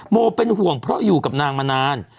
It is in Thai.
โมเป็นห่วงเพราะอยู่กับนางมานาน